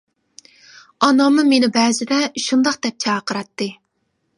ئاناممۇ مېنى بەزىدە شۇنداق دەپ چاقىراتتى.